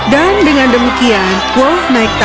dan dengan demikian wolf naik tahta